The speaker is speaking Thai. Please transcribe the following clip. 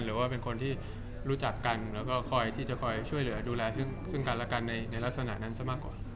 หรือว่าเป็นคนที่รู้จักกันแล้วก็คอยที่จะคอยช่วยเหลือดูแลซึ่งกันและกันในลักษณะนั้นซะมากกว่า